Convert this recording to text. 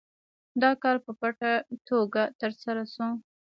دا کار په پټه توګه ترسره شو.